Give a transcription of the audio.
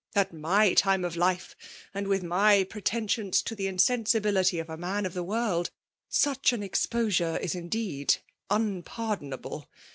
At my time of life, and with my pretensions to the insensibility of a man of the world, such an eaqposure is indeed unpardonable